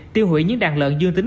tiêu hủy những đàn lợn dương tính